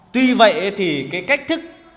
tuy vậy thì cái cách thức